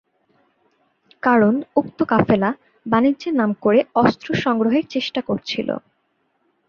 কারণ উক্ত কাফেলা বাণিজ্যের নাম করে অস্ত্র সংগ্রহের চেষ্টা করছিল।